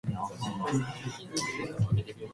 全程恰下醒下咁行返屋企